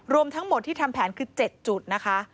รวมทั้งหมดที่ทำแผนคือ๗จุดนะคะ